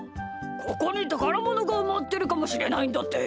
ここにたからものがうまってるかもしれないんだって。